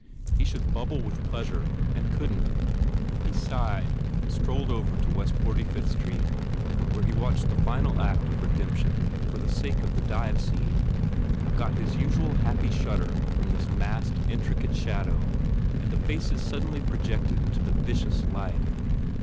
He should bubble with pleasure and couldn t. He sighed and strolled over to West 45th Street where he watched the final act of "Re demption" for the sake of the dive scene, got his usual happy shudder from this massed, intricate shadow and the faces suddenly projected into the vicious light.